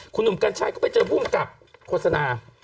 คุณหนุ่มกัญชัยก็ไปเจอภูมิกับโฆษณา